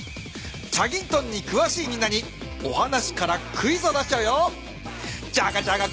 『チャギントン』にくわしいみんなにお話からクイズを出しちゃうよ。